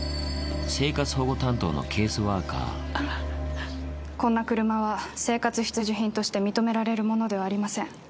生活保護担当のケースワーカこんな車は、生活必需品として認められるものではありません。